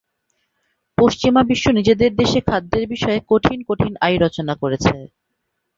পশ্চিমা বিশ্ব নিজেদের দেশে খাদ্যের বিষয়ে কঠিন কঠিন আইন রচনা করেছে।